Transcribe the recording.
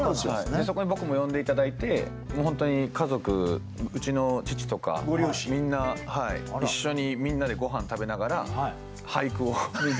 そこに僕も呼んで頂いてもう本当に家族うちの父とかみんな一緒にみんなでごはん食べながら俳句をみんなで。